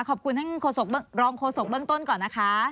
ขอบคุณท่านรองโฆษกเบื้องต้นก่อนนะคะ